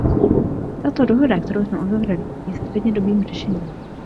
Tato dohoda, kterou jsme uzavřeli, je střednědobým řešením.